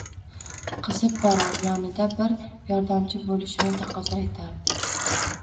qizib borar, yonida bir yordamchi bo'lishini taqozo etardi.